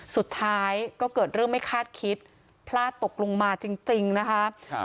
สุดท้ายก็เกิดเรื่องไม่คาดคิดพลาดตกลงมาจริงนะคะ